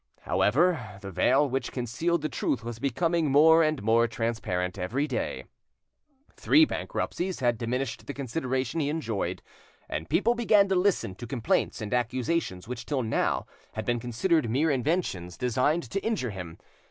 However, the veil which concealed the truth was becoming more and more transparent every day. Three bankruptcies had diminished the consideration he enjoyed, and people began to listen to complaints and accusations which till now had been considered mere inventions designed to injure him.